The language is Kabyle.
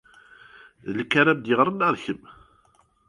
D nekk ara am-d-yeɣren neɣ d kemm?